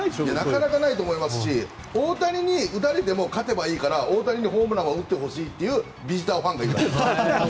なかなかないと思いますし大谷に打たれても勝てばいいので大谷にホームランは打ってほしいというビジターファンがいます。